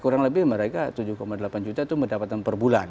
kurang lebih mereka tujuh koma delapan juta itu pendapatan perbulan